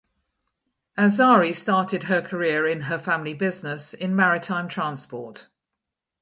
Azhari started her career in her family business in maritime transport.